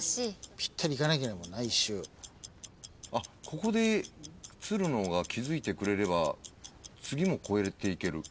ここでつるのが気付いてくれれば次も越えていける。